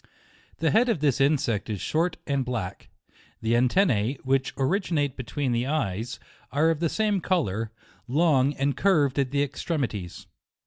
The head of this insect is short and black ; the antennae, which originate between the eyes, are of the same colour, long and curv ed at the extremities.